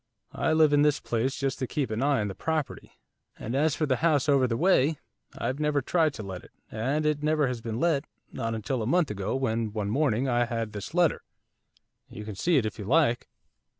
I live in this place just to keep an eye upon the property, and as for the house over the way, I've never tried to let it, and it never has been let, not until a month ago, when, one morning, I had this letter. You can see it if you like.